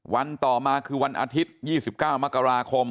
วันต่อมาคือวันอาทิตย์๒๙มกราคม